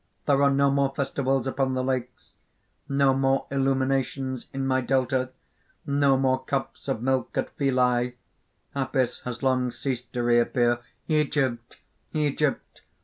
There are no more festivals upon the lakes! no more illuminations in my delta! no more cups of milk at Philæ! Apis has long ceased to reappear. "Egypt! Egypt!